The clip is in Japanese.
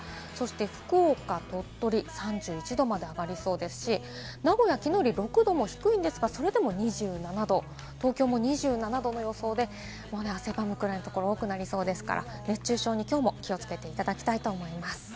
福岡、鳥取は３１度まで上がりそうですし、名古屋は昨日より６度も低いですがそれでも２７度、東京も２７度の予想で、汗ばむくらいのところが多くなりそうですから、熱中症にきょうも気をつけていただきたいと思います。